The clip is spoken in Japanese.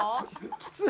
きつい？